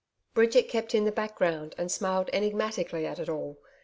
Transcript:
Bridget kept in the background and smiled enigmatically at it all.